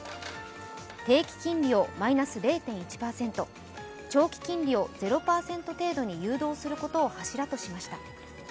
定期金利をマイナス０．１％、長期金利を０％程度に誘導することを柱としました。